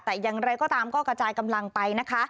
แต่อย่างไรก็ตามก็กระจายกำลังไปนะคะ